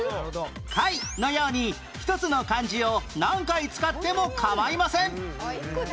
「会」のように１つの漢字を何回使っても構いません